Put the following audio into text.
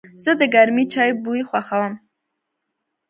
زه د گرمې چای بوی خوښوم.